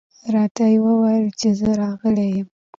راته یې وویل چې زه راغلی یم.